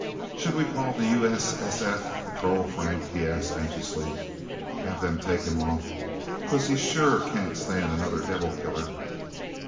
"Should we call the U.S.S.F. patrol, Frank?" he asked anxiously. "Have them take him off? 'Cause he sure can't stand another devil killer."